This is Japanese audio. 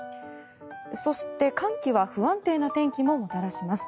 そして、寒気は不安定な天気ももたらします。